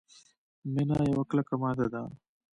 مینا یوه کلکه ماده ده.